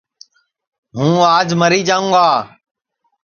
ہوں آج مری جاوں گا